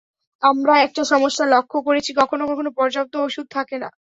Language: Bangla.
আমরা একটা সমস্যা লক্ষ করেছি, কখনো কখনো পর্যাপ্ত ওষুধ থাকে না।